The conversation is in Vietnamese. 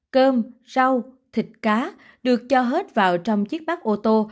cơm rau thịt cá được cho hết vào trong chiếc bát ô tô